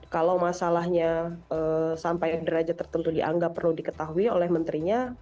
kalau masalahnya sampai derajat tertentu dianggap perlu diketahui oleh menterinya